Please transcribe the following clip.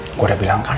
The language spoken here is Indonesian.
saya sudah bilang kan